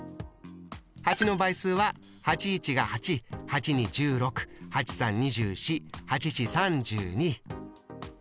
８の倍数は８１が８８２１６８３２４８４３２。